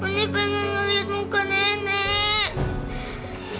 mene pengen ngeliat muka nenek